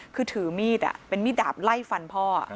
คือถือมีดเป็นมีดดาบไล่ฟันพ่อ